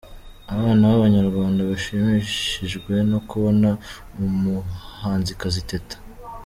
Abana b'abanyarwanda bashimishijwe no kubona umuhanzikazi Teta.